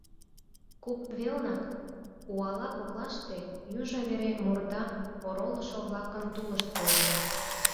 Куп велнак, уала коклаште, южо вере мурда оролышо-влакын тулышт коеда.